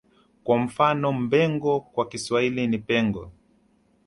Kwa mfano Mbengo kwa Kiswahili ni Pengo